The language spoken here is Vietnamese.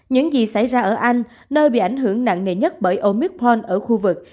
những gì xảy ra ở anh nơi bị ảnh hưởng nặng nề nhất bởi omicron ở khu vực